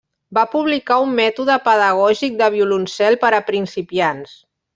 Va publicar un mètode pedagògic de violoncel per a principiants.